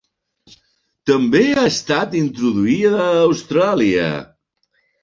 També ha estat introduïda a Austràlia.